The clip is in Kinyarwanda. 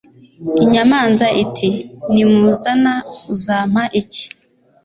inyamanza iti 'nimuzana uzampa iki